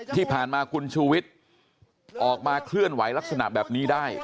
ที่ผ่านมาคุณชูวิทย์ออกมาเคลื่อนไหวลักษณะแบบนี้ได้